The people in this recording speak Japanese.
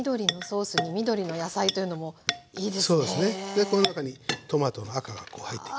でこの中にトマトの赤が入っていく。